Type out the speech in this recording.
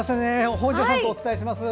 本庄さんとお伝えします。